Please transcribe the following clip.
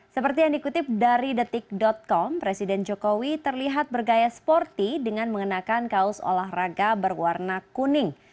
seperti yang dikutip dari detik com presiden jokowi terlihat bergaya sporty dengan mengenakan kaos olahraga berwarna kuning